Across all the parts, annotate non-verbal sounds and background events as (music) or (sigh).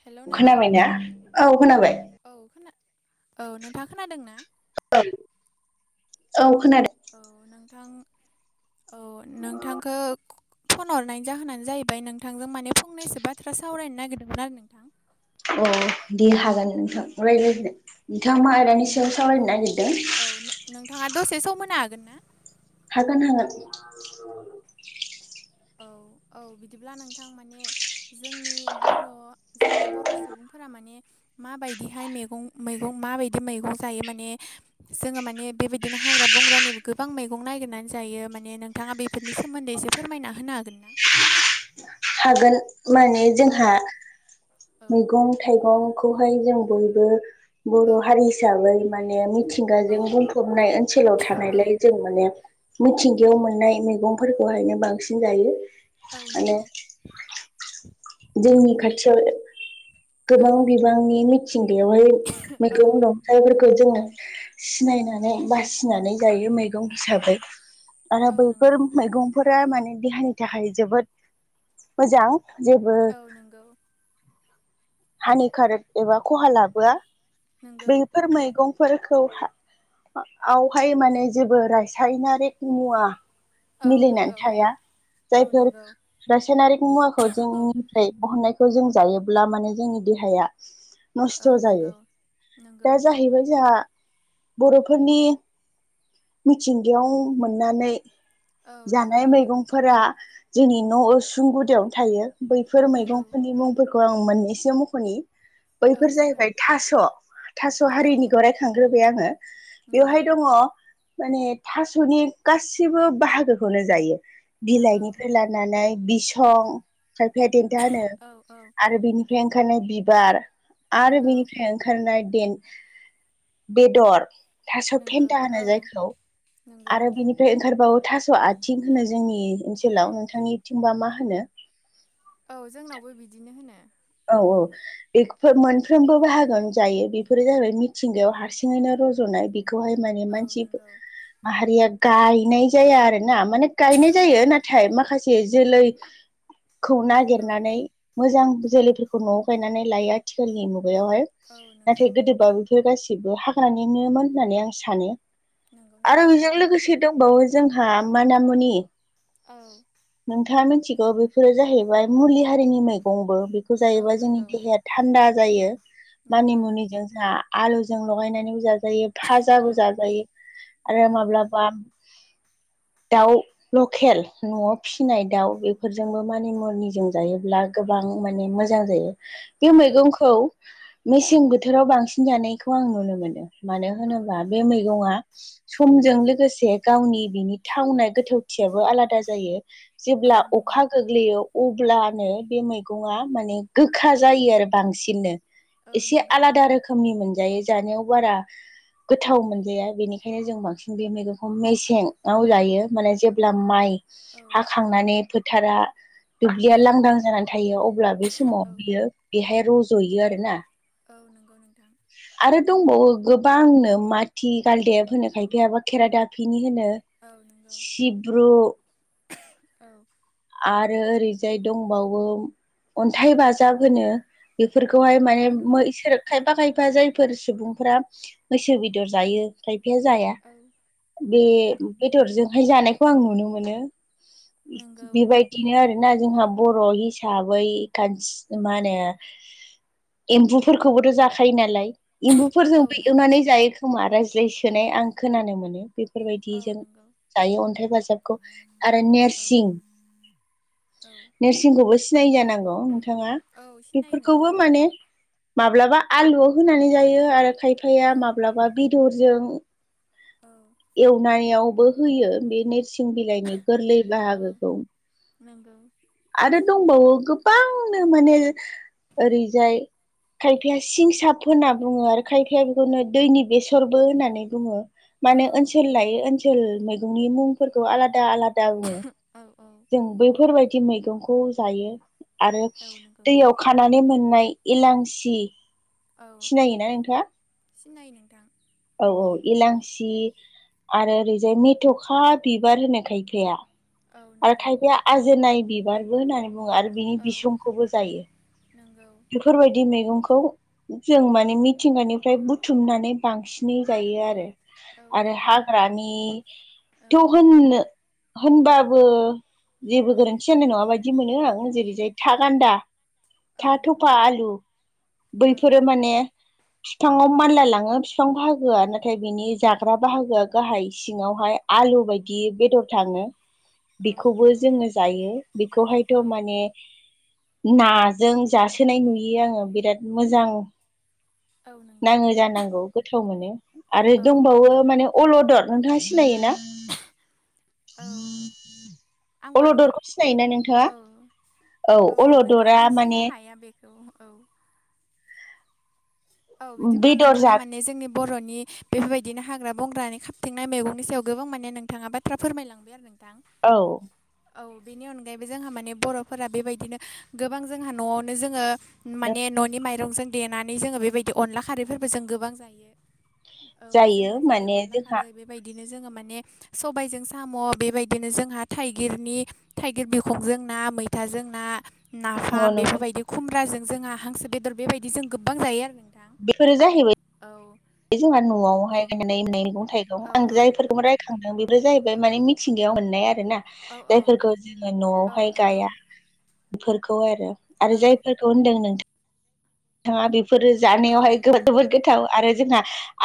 Hello नोंथां खोनाबायना? औ खोनाबाय। औ खोना औ नोंथाङा खोनादों ना? ओं औ खोनादो। औ नोंथां औ नोंथांखो फन हरनायनि जाहोनानो जाहैबाय नोंथांजों माने फंनैसो बाथ्रा सावरायनो नागिरदोंमोन आरो नोंथां। अ दे हागोन औ नोंथां रायलायनो औ नोंथाङा मा आयदानि सायाव औ सावरायनो नागिरदों औ नोंथाङा दसे सम होनो हागोन ना हागोन हागोन औ औ औ बिदिब्ला नोंथां माने जोंनि बर' जोंनि बर' सुबुंफोरा माने माबायदिहाय मैगं मैगं माबायदि मैगं जायो माने जोङो माने बेबायदिनो हाग्रा बंग्रानिबो गोबां मैगं नायगिरनानै जायो माने नोंथाङा बे बेफोरनि सोमोन्दै एसे फोरमायना होनो हागोन ना हागोन माने औ जोंहा मैगं थाइगंखौहाय जों बयबो बर' औ हारि हिसाबै माने मिथिंगाजों औ बुंफबनाय ओनसोलाव औ थानायलाय जों माने मिथिंगायाव मोननाय मैगंफोरखौहायनो बांसिन जायो औ माने नंगौ जोंनि खाथियाव गोबां औ बिबांनि मिथिंगायावहाय औ मैगं दं जायफोरखौ जोङो सिनायनानै बासिनानै गायो मैगं हिसाबै आरो औ बैफोर नंगौ मैगंफोरा माने देहानि थाखाय जोबोद मोजां जे औ नंगौ हानिकारक एबा खहा लाबोआ नंगौ बेफोर मैगं फोरखौ आवहाय माने जेबो रासायनारिक मुवा औ मिलायनानै नंगौ थाया औ जायफोर नंगौ रासायनारिक मुवाखौ औ जोंनि थाय बहननायखौ जों जायोब्ला माने जोंनि देहाया नस्थ' औ जायो नंगौ नंगौ दा जाहैबाय जोंहा बर'फोरनि मिथिंगायाव मोननानै औ जानाय नंगौ मैगंफोरा जोंनि न' उसुं गुदियावनो थायो बैफोर नंगौ मैगंफोरनि मुंफोरखौ आं मोननैसो मख'नि औ बैफोर जागोन जाहैबाय थास' थास' औ हारिनिखौ रायखांग्रोबाय आङो नंगौ बेवहाय दङ माने थास'नि गासिबो बाहागोखौनो जायो नंगौ बिलाइनिफ्राय लानानै नानै बिसं खायफाया देन्था होनो औ औ आरो बिनि ओंखारनाय बिबार आरो नंगौ बिनिफ्राय ओंखारनाय बेन-बेदर थास' नंगौ फेन्दा होनो औ जायखौ नंगौ आरो बिनि ओमफ्राय ओंखारबावो थास' आथिं होनो जोंनि ओनसोलाव नोंथांनिथिंबा मा होनो औ जोंनावबो बिदिनो होनो औ औ बेखौ मोनफ्रोमबो बाहागोखौनो जायो बेफोरो जाबाय मिथिंगायाव हारसिङैनो रज'नाय बेखौहाय माने औ मानसि नंगौ माहारिया गायनाय जाया आरो ना माने गायनाय औ जायो नाथाय माखासे जोलैखौ औ नागिरनानै मोजां जोलैफोरखौ न'आव गायनानै लायो आथिखालनि मुगायावहाय औ नंगौ नाथाय गोदोबा बे गासिबो हाग्रानिनोमोन होननानै आं सानो नंगौ आरो नोंथां बेजों लोगोसे दंबावो जोंहा माना मुनि औ नोंथाङा मिथिगौ बेफोरो जाहैबाय मुलि हारिनि मैगंबो खौ औ जायोबा जोंनि नंगौ देहाया थान्दा जायो मानि नंगौ मुनिजों जोंहा आलुजों लगायनानैबो जाजायो औ फाजाबो जाजायो आरो नंगौ माब्लाबा (inaudible) दाव लकेल न'आव फिसिनाय दाउ बेफोरजोंबो मानि मुनिजों जायोब्ला गोबां माने मोजां मोजां जायो बे नंगौ मैगंखौ मेसें बोथोराव बांसिन जानायखौ आं नुनो मोनो मानो औ होनोबा नंगौ बे मैगं आ समजों लोगोसे गावनि बिनि थावनाय गोथावथियाबो आलादा जायो। औ जेब्ला नंगौ अखा गोग्लैयो अब्लानो बे मैगङा माने गोखा जायो आरो बांसिननो। औ एसे नंगौ आलादा रो खोमनि मोनजायो जानायाव बारा गोथाव मोनजाया बेनिखायनो जों बांसिन बे मैगंखौ मेसेंआव जायो। माने जेब्ला माइ औ हाखांनानै फोथारा औ दुब्लिया लांदां जानानै थायो अब्ला बे समाव औ बियो बेहाय रज'यो आरोना। औ नोंगौ नोंथां। आरो दंबावो गोबांनो माथि गालदेब होनो खायफायाबा खेरा दाफिनि होनो। औ नोंगौ सिब्रु औ। आरो ओरैजाय दंबावो अन्थाइ बाजाब होनो। बेफोरखौहाय औ माने (unintelligible) नंगौ इसोरो खायफा खायफा जायफोर सुबुंफोरा मैसो बेदर जायो। खायफाया जाया। औ बे औ नंगौ बेदरजोंहाय जानायखौ आं नुनो मोनो‌। नंगौ बेबायदिनो आरोना जोंहा बर' हिसाबै खाथ्स मा होनो एम्बुफोरखौबोथ' जाखायो नालाय। औ एम्बुफोरजोंबो नंगौ एवनानै जायो खोमा रायज्लाय सोनाय आं खोनानो मोनो। औ बेफोरबायदिजों नंगौ जायो अन्थाइ बाजाबखौ आरो औ नेरसिं औ नोरसिंखौबो सिनायो जानांगौ नोंथाङा। औ सिनायो नोंथां बेफोरखौबो माने माब्लाबा आलुआव होनानै जायो आरो औ खायफाया माब्लाबा बेदरजों औ एवनायावबो होयो बे नोरसिं बिलाइनि गोरलै बाहागो नोंगौ। आरो दंबावो गोबांनो माने ओरैजाय खायफाया सिंसाब होनना बुङो आरो खायफाया बेखौनो दैनि बेसरबो होननानै बुङो‌। औ माने ओनसोल लायो ओनसोल मैगंनि मुंफोरखौ आलादा आला दा बुङो। औ जों बैफोरबायदि मैगंखौ जायो। आरो औ नंगौ दैयाव खानानै मोननाय इलांसि। औ सिनायोना नोंथाङा? सिनायो नोंथां। औ औ इलांसि आरो ओरैजाय मेथ'खा बिबार होनो खायफाया। औ आरो नंगौ खायफाया आजोनाय बिबारबो होननानै बुङो आरो बिनि बिसंखौबो जायो। नोंगौ। बेफोरबायदि मैगंखौ जों माने मिथिंगानिफ्राय बुथुमनानै बांसिनै जायो आरो। औ आरो नंगौ नोंथां औ हाग्रानिथ' होननो होनबाबो जेबो गोरोन्थि जानाय नङा बायदि मोनो आं। जेरै जाय था गान्दा औ था थफा नंगौ आलु औ बैफोरो माने बिफाङाव मानलाय लाङो बिफां बाहागोआ नाथाय बिनि जाग्रा बाहागोआ गाहाय सिङावहाय आलु बायदि बेदर थाङो। औ बेखौबो नंगौ जोङो जायो। औ बेखौहायथ' माने नाजों जासोनाय नुयो आङो बिराद मोजां औ नंगौ नाङो जानांगौ गोथाव मोन‌ो। आरो औ दंबावो माने अल'दर नोंथाङा सिनायोना? औ। आं बांद्राय अल'दरखौ सिनायोना नोंथाङा? औ औ नोंथां अल'दरा आं माने सिनाय हाया बेखौ औ औ। औ बिदिब्ला बेदर जा नोंथाङा माने जोंनि बर'नि बेफोरबायदिनो हाग्रा बंग्रानि खाबथेंनाय मैगंनि सायाव गोबां माने नोंथाङा बाथ्रा फोरमायलांबाय आरो नोंथां। औ। औ बेनि अनगायैबो जोंहा माने बर'फोरा बेबायदिनो गोबां जोंहा न'आवनो जोङो माने न'नि माइरंजों देनानै जोङो बेबायदि अनला खारैफोरबो जों गोबां जायो। औ जायो जोंहा जेरै माने अनला जोंहा खारै बेबायदिनो जोङो माने सबायजों साम' बेबायदिनो जोंहा थाइगिरनि थाइगिर बिखंजों ना मैथाजों ना नाफाम नंगौ नंगौ बेफोरबायदि खुमब्राजों जोंहा हांसो बेदर बेबायदि जों गोबां जायो आरो। दां औ बे जोंहा औ न'आवहाय गायनायनाय मैगं-थाइगं आं औ जायफोरखौ खांदों बेफोर जाहैबाय माने मिथिंगायाव मोननाय आरो ना। औ जायफोरखौ जोङो औ न'आवहाय नंगौ गाया बेफोरखौ आरो आरो औ जायफोरखौ होनदों नोंथां नोंथाङा बेफोरो औ जानायावहाय जबोद गोथाव आरो जोंहा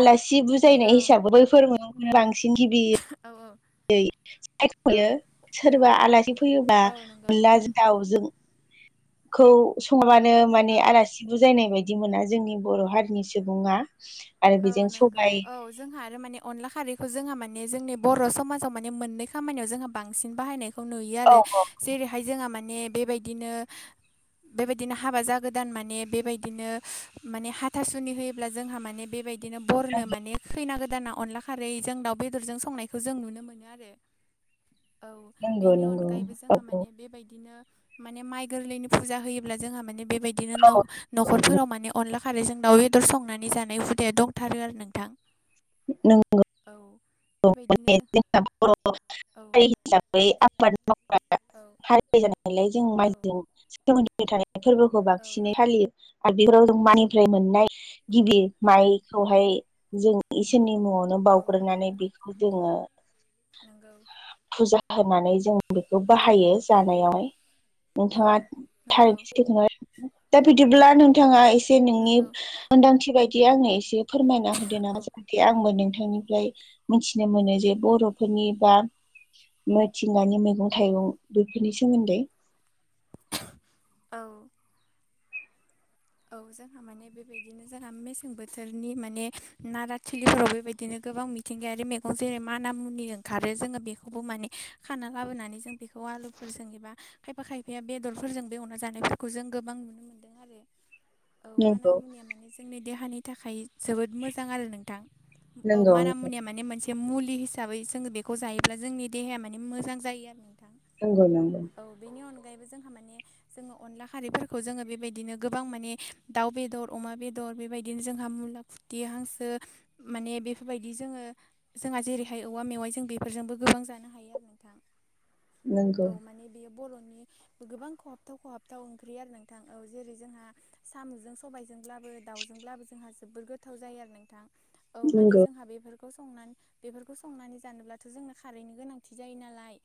आलासि बुजायनाय नंगौ हिसाबै बै फोरङो बांसिन गिबि औ औ सायखयो औ सोरबा आलासि फैयोबा औ नंगौ अनलाजों दाउजों खौ सङाबानो माने नंगौ आलासि बुजायनाय बायदि मोना जोंनि बर' हारिनि सुबुङा आरो औ बेजों नंगौ सबाय औ जोंहा आरो माने अनला खारैखौ जोंहा माने जोंनि बर' समाजाव माने मोननै खामानियाव जोंहा बांसिन बाहायनाय खौ नुयो औ आरो औ जेरैहाय जोंहा माने बेबायदिनो बेबायदिनो हाबा जागोदान माने बेबायदिनो माने हाथासुनि होयोब्ला जोंहा माने बेबायदिनो बरनो माने खैना गोदाना अनला खारै जों दाउ बेदरजों संनायखौ जों नुनो मोनो आरो। औ नंगौ बेनि नंगौ अनगायैबो औ जोंहा औ माने बेबायदिनो माने माइ गोरलैनि फुजा होयोब्ला जोंहा माने बेबायदिनो औ न'खरफोराव माने अनला खारैजों दाउ बेदर संनानै जानाय हुदाया दंथारो आरो नोंथां। नोंगौ औ बेबायदिनो जों आ औ (unintelligible) औ हारि जानायलाय जों औ माइजों सोमोनदो फबाय थानाय फोरबोखौ औ बांसिनै नंगौ फालियो आरो बेफोराव जों मायनिफ्राय मोननाय गिबि माइखौहाय जों इसोरनि मुङावनो औ बाउग्रोनानै बेखौ जोङो नोंगौ फुजा होनानै जों बेखौ बाहायो जानायावहाय औ नोंथाङा नंगौ थारैनो सखौ दा बिदिब्ला नोंथाङा एसे नोंनि नंगौ मोनदांथि बायदि आंनो एसे फोरमायना होद ना औ जाहाथे आंबो नोंथांनिफ्राय मिथिनो मोनो जे बर'फोरनि बा मि मिथिंगानि मैगं-थाइगं बेफोरनि सोमोन्दै औ औ जोंहा माने बेबायदि बिदिनो जोंहा मेसें बोथोरनि माने नारा थिलिफोराव बेबायदिनो गोबां मिथिंगायारि जेरै माना मुनि ओंखारो जोङो बेखौबो माने खाना लाबोनानै जों बेखौ आलुफोरजों एबा खायफा खायफाया बेदरफोरजों बे अनना जानायफोरखौ जों गोबां नुनो मोन्दों। आरो औ माना नंगौ मुनिया माने जोंनि देहानि थाखाय जोबोद मोजां आरो नोंथां औ नंगौ मान मुनिया मान मोन बे मुलि हिसाबै जोङो बेखौ जायोब्ला जोंनि देहाया माने मोजां जायो आरो नोंथां। नगौ नांगौ औ बेनि अनगायैबो जोंहा माने जोङो अनला खारैफोरखौ जोङो बेबायदिनो गोबां माने दाउ बेदर, अमा बेदर बेबायदिनो जोंहा मुला फुथि हांसो माने बेफोरबायदि जोङो जोंहा जेरैहाय औवा मेवाइ जों बेफोरजोंबो गोबां जानो हायो आरो। नंगौ औ माने बेयो बर'नि गोबां खहाबथाव खहाबथाव ओंख्रि आरो नोंथां औ जेरै जोंहा साम'जों सबायजोंब्लाबो दाउजोंब्लाबो जोंहा जोबोर गोथाव जायो आरो नोंथां। औ माने नंगौ जोंहा बेफोर खौ संनान बेफोरखौ संनानै जानोब्लाथ' जोंनो खारैनि गोनांथि जायो नालाय।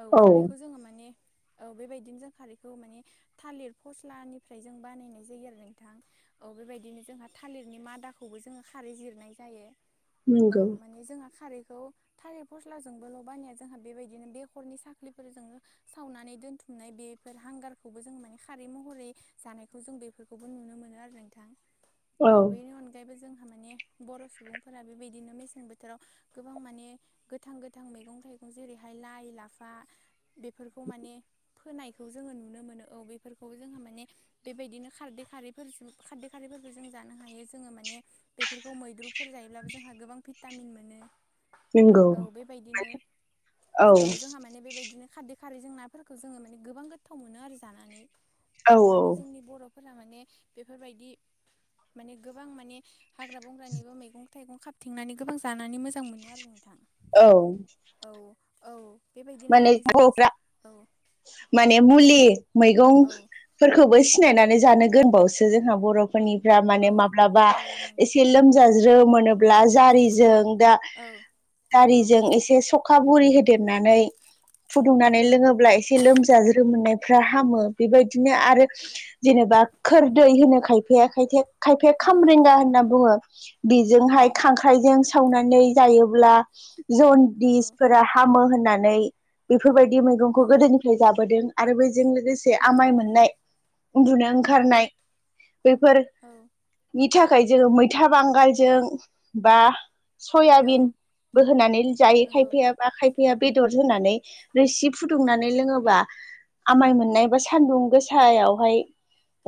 औ खारैखौ जोङो माने औ बेबायदिनो जों खारैखौ माने थालिर फस्लानिफ्राय जों बानायनाय जायो आरो नोंथां। औ बेबायदिनो जोंहा थालिरनि मादाखौबो जोङो खारै जिरनाय जायो। औ नंगौ माने जोंहा खारैखौ थालिर फस्लाजोंबोल' बानाया जोंहा बेबायदिनो बेखरनि साख्लिफोरजोंनो सावनानै दोनथुमनाय बेफोर हांगारखौबो जों माने खारै महरै जानायखौ जों बे खौबो नुनो मोनो आरो नोंथां औ बेनि अनगा जायबो जोंहा माने बर' सुबुंफोरा बेबायदिनो मेसें बोथोराव गोबां माने गोथां गोथां मैगं थाइगं जेरैहाय लाइ लाफा बेफोरखौ माने फोनायखौ जोङो नुनो मोनो औ बेफोरखौ जोंहा माने बेबायदिनो खारदै खारैफोरजों खारदै खारैफोरफोरखौ जों जानो हायो जोङो माने बेफोरखौ मैद्रुफोर जायोब्लाबो जोंहा गोबां फे टामिन मोनो। नंगौ औ बेबायदिनो औ जोंहा माने बेबायदिनो खादै खारैजों नाफोरखो जोङो माने गोबां गोथाव मोनो आरो जानानै औ माने जोंनि बर' फोर माने बेफोरबायदि माने गोबां माने हाग्रा बंग्रानिबो मैगं थाइगं खाबथेंनानै गोबां जानानै मोजां मोनो आरो नोंथां। औ। औ औ बेबा माने ग'फ्रा माने मुलि मैगं औ फोरखौबो सिनायनानै जानो गोनबावसो जोंहा बर'फोरनिफ्रा माने औ माब्लाबा औ नंगौ एसे लोमजाज्रोम मोनोब्ला जारिजों दा औ नंगौ दारिजों एसे सखा बरुरि होदेरनानै फुदुंनानै नंगौ लोङोब्ला एसे लोमजाज्रो मोननायफ्रा हामो बेबायदिनो आरो जेनेबा खोरदै होनो खायफाया खायथे खायफाया नंगौ खामरेंगा होनना बुङो बेजोंहाय नंगौ खांख्राइजों सावनानै जायोब्ला औ जनदिसफोरा हामो होननानै बेफोरबायदि मैगंखौ नंगौ गोदोनिफ्राय जाबोदों आरो बजों लोगोसे नंगौ आमाय मोननाय उन्दुनो औ ओंखारनाय बेफोर औ नि थाखाय जोङो मैथा बांगालजों बा औ सयाबिनबो होनानै जायो नंगौ खायफैाया बा खायफैया बेदर नानै रोसि फुदुंनानै नंगौ लों बा आमाय मोननाय बा सान्दुं गोसायावहाय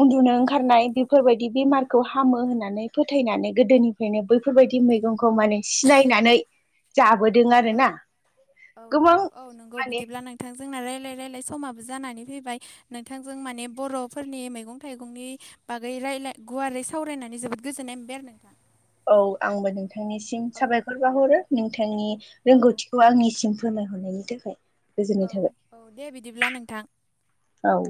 उन्दुनो नंगौ ओंखारनाय फोरफोरबायदि बेमारखौ हामो होननानै फोथायनानै गोदोनिफ्रायनो बैफोरबायदि मैगंखौ माने सिनायनानै जाबोदों आरो औ ना। औ गोबां नंगौ औ नंगौ। माने बिदिब्ला नो थां जोंना रायजलाय रायलाय समाबो जानानै फैबाय नोंथांजों माने बर'फोरनि मैगं थाइगंनि बागै रायलाय गुवारै सावरायनानै जोबोद गोजोननाय मोनबाय आरो नोंथां। औ आंबो नोंथांनिसिम साबायखर बाहरो नोंथांनि औ रोंगौथिखौ आंनिसिम फोरमायहरनायनि थाखाय। गोजोननाय औ थाबाय औ दे बिदिब्ला नोंथां। औ।